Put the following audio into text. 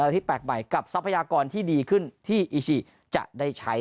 ที่แปลกใหม่กับทรัพยากรที่ดีขึ้นที่อิชิจะได้ใช้